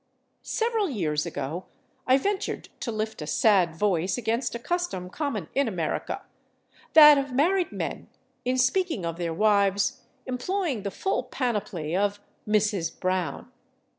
Several years ago I ventured to lift a sad voice against a custom common in America: that of married men, in speaking of their wives, employing the full panoply of "Mrs. Brown."